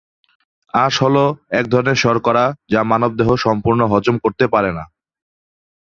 আঁশ হলো এক ধরনের শর্করা যা মানব দেহ সম্পূর্ণ হজম করতে পারে না।